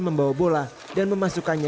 membawa bola dan memasukkannya